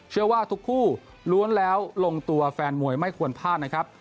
เชื่อว่าทุกคู่ล้วนแล้วลงตัวแฟนมวยไม่ควรพลาดนะครับ